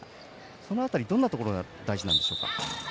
その辺り、どんなところが大事なんでしょうか。